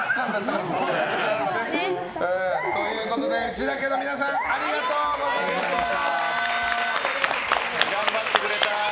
内田家の皆さんありがとうございました。